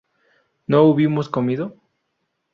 ¿no hubimos comido?